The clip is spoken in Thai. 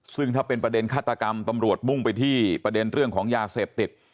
ซึ่งถ้าเป็นประเด็นฆาตกรรมตำรวจมุ่งไปที่ประเด็นเรื่องของยาเสพติด